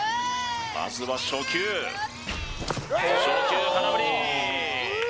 まずは初球初球空振り